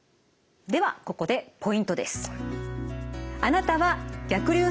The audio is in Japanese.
ではここでポイントです。